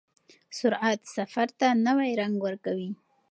سرعت سفر ته نوی رنګ ورکوي.